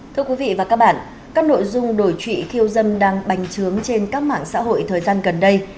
thưa quý vị và các bạn các nội dung đổi trụy khiêu dâm đang bành trướng trên các mạng xã hội thời gian gần đây